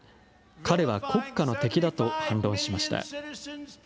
彼は国家の敵だと反論しました。